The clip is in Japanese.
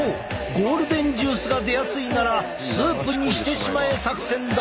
ゴールデンジュースが出やすいならスープにしてしまえ作戦だ！